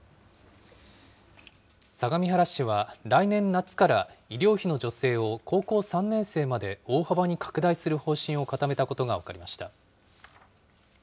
相模原市は来年夏から、医療費の助成を高校３年生まで大幅に拡大する方針を固めたことが分かりました。